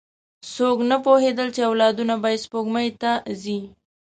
څوک نه پوهېدل، چې اولادونه به یې سپوږمۍ ته ځي.